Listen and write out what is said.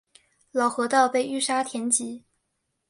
老河道被淤沙填积。